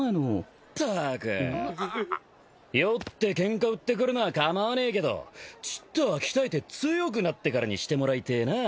・ったく酔ってケンカ売ってくるのは構わねえけどちったぁ鍛えて強くなってからにしてもらいてえなぁ。